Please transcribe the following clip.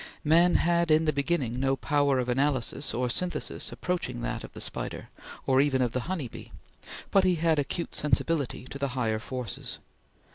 Man had in the beginning no power of analysis or synthesis approaching that of the spider, or even of the honey bee; he had acute sensibility to the higher forces.